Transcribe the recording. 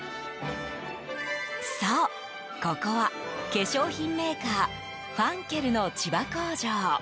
そう、ここは化粧品メーカー、ファンケルの千葉工場。